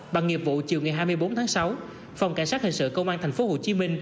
bằng nghiệp vụ chiều ngày hai mươi bốn tháng sáu phòng cảnh sát hình sự công an tp hcm